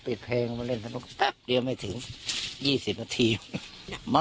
ปิดเพลงมาเล่นสนุกแป๊บเรียงไม่ถึงยี่สิบนาทีมัน